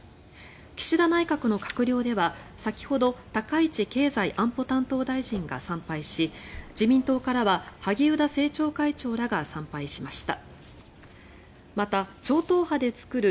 岸田内閣の閣僚では、先ほど高市経済安保担当大臣が参拝し自民党からは萩生田政調会長らが参拝しました。